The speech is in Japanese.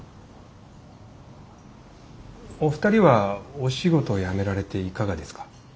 お二人はお仕事辞められていかがですか？